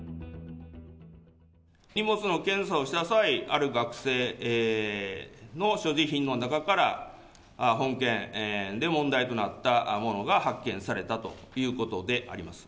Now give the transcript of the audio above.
荷物の検査をした際、ある学生の所持品の中から、本件で問題となったものが発見されたということであります。